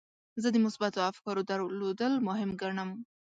زه د مثبتو افکارو درلودل مهم ګڼم.